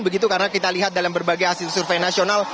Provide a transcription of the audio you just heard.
begitu karena kita lihat dalam berbagai hasil survei nasional